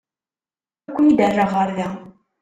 Ad ken-id-rreɣ ɣer da.